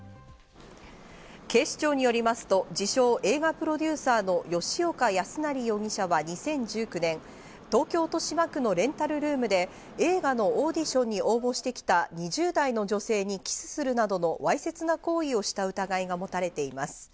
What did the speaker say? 警視庁によりますと、自称映画プロデューサーの吉岡康成容疑者は２０１９年、東京・豊島区のレンタルルームで映画のオーディションに応募してきた２０代の女性にキスするなどのわいせつな行為をした疑いが持たれています。